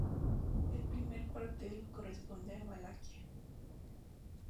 El primer cuartel corresponde a Valaquia.